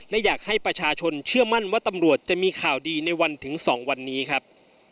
และอยากให้ประชาชนเชื่อมั่นว่าตำรวจจะมีข่าวดีในวันถึง๒วันนี้ครับ